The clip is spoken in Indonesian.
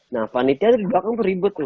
nah panitia di belakang ribut loh